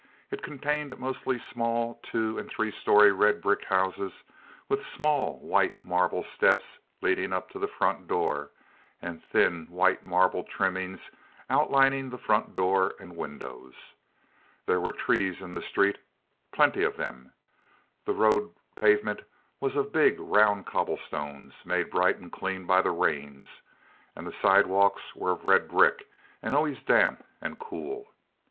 It contained mostly small two and three story red brick houses, with small white marble steps leading up to the front door, and thin, white marble trimmings outlining the front door and windows. There were trees in the street—plenty of them. The road pavement was of big, round cobblestones, made bright and clean by the rains; and the sidewalks were of red brick, and always damp and cool.